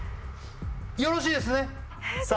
よろしいですねさあ